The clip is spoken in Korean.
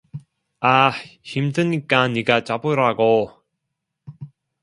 아, 힘드니까 니가 잡으라고!